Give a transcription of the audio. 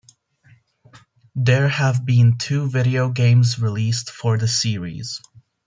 There have been two video games released for the series.